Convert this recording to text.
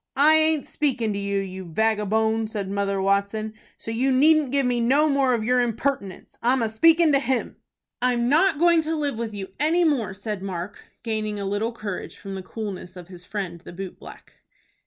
"I aint speakin' to you, you vagabone!" said Mother Watson, "so you needn't give me no more of your impertinence. I'm a speakin' to him." "I'm not going to live with you any more," said Mark, gaining a little courage from the coolness of his friend, the boot black.